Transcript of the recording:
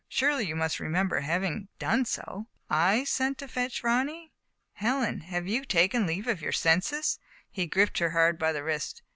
Surely you must remember having done so.'* "/sent to fetch Romiy / Helen, have you taken leave of your senses?" And he gripped her hard by the wrist.